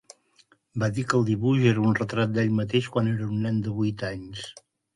Va dir que el dibuix era un retrat d'ell mateix quan era un nen de vuit anys.